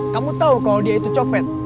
kamu tahu kalau dia itu copet